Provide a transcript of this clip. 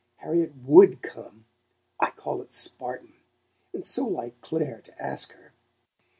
Harriet WOULD COME I call it Spartan! And so like Clare to ask her!"